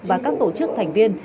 và các tổ chức thành viên